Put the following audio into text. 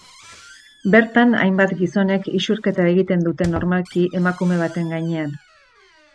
Bertan hainbat gizonek isurketa egiten dute normalki emakume baten gainean.